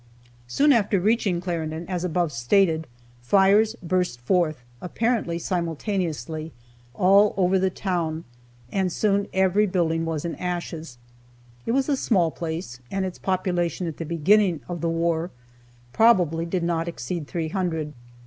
Soon after reaching Clarendon, as above stated, fires burst forth, apparently simultaneously, all over the town, and soon every building was in ashes. It was a small place, and its population at the beginning of the war probably did not exceed three hundred.